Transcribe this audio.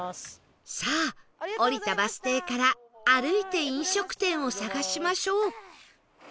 さあ降りたバス停から歩いて飲食店を探しましょう